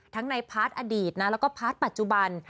ในพาร์ทอดีตนะแล้วก็พาร์ทปัจจุบัน